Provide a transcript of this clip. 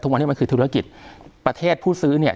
วันนี้มันคือธุรกิจประเทศผู้ซื้อเนี่ย